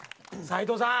斉藤さん。